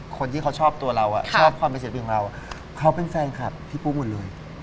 คนที่เขาชอบตัวเราอะชอบคอนเพยรท์ของเราเขาเป็นแฟนคลับพี่ปู้หมดเลย